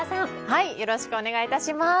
よろしくお願いいたしします。